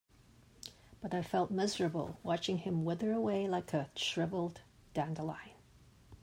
But I felt miserable watching him wither away like a shriveled dandelion.